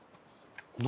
何？